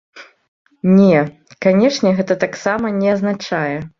Не, канечне, гэта таксама не азначае.